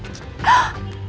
itu ada apa